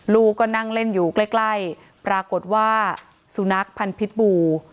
ลูกก็นั่งเล่นอยู่ใกล้ปรากฏว่าสุนัขพันธ์พิษบู